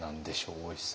大石さん。